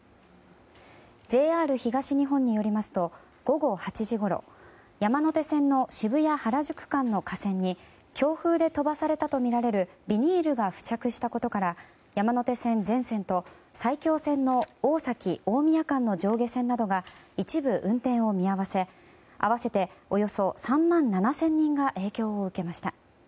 ＪＲ東日本によりますと午後８時ごろ山手線の渋谷原宿間の架線に強風で飛ばされたとみられるビニールが付着したことから山手線全線と埼京線の大崎大宮間の上下線などが一部運転を見合わせ合わせておよそ３万７０００人が影響を受けました。